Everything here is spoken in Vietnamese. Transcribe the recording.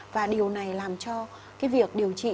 và điều này làm cho cái việc điều trị